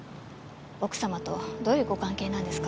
奥様とどういうご関係なんですか？